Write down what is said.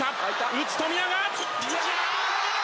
打つ富永。